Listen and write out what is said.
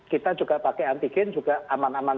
kita juga pakai antigen juga aman aman